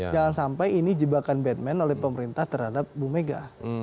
jangan sampai ini jebakan batman oleh pemerintah terhadap bu mega